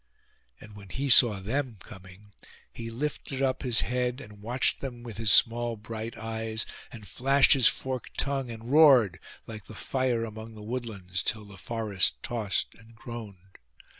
And when he saw them coming he lifted up his head, and watched them with his small bright eyes, and flashed his forked tongue, and roared like the fire among the woodlands, till the forest tossed and groaned.